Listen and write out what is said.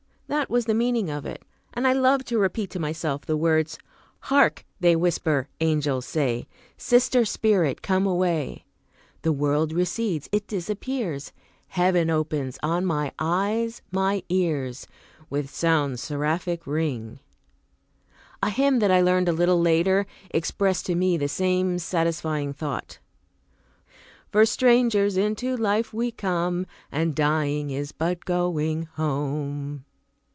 That was the meaning of it! and I loved to repeat to myself the words, "Hark! they whisper: angels say, 'Sister spirit, come away!'" "The world recedes; it disappears! Heaven opens on my eyes! my ears With sounds seraphic ring." A hymn that I learned a little later expressed to me the same satisfying thought: "For strangers into life we come, And dying is but going home."